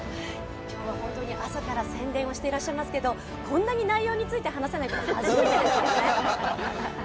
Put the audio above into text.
今日は本当に朝から宣伝をしていらっしゃいますけどこんなに内容について話さないことって初めてですね。